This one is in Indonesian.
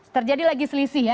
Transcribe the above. terjadi lagi selisih ya